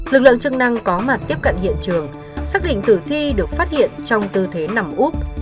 lực lượng chức năng có mặt tiếp cận hiện trường xác định tử thi được phát hiện trong tư thế nằm úp